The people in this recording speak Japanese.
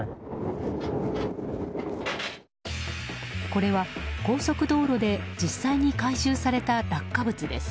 これは、高速道路で実際に回収された落下物です。